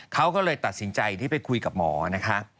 เขาก็เลยตัดสินใจที่ไปคุยกับหมอนะคะ